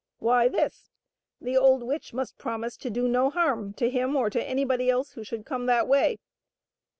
Why, this ! The old witch must promise to do no harm to him or to anybody else who should come that way.